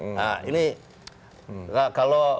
nah ini kalau